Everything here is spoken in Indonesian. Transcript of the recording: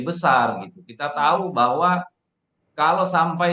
besar gitu kita tahu bahwa kalau sampai